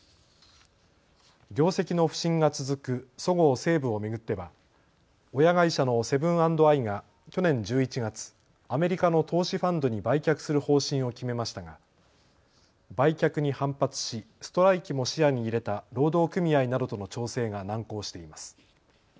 業績の不振が続くそごう・西武を巡っては親会社のセブン＆アイが去年１１月、アメリカの投資ファンドに売却する方針を決めましたが売却に反発しストライキも視野に入れた労働組合などとの調整が難航しています。